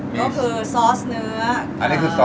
ก็คือซอสเนื้อกับมะเขือเทศ